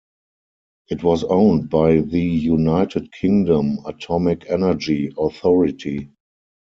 It was owned by the United Kingdom Atomic Energy Authority.